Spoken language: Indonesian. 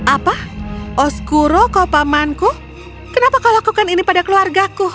apa oscuro kau pamanku kenapa kau lakukan ini pada keluargaku